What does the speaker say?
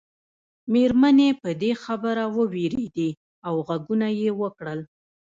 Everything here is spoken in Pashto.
مېرمنې په دې خبره ووېرېدې او غږونه یې وکړل.